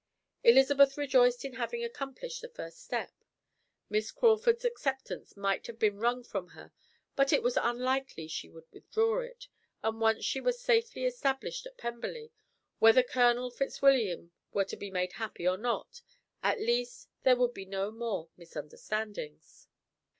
Elizabeth rejoiced in having accomplished the first step. Miss Crawford's acceptance might have been wrung from her, but it was unlikely she would withdraw it, and once she were safely established at Pemberley, whether Colonel Fitzwilliam were to be made happy or not, at least there would be no more misunderstandings.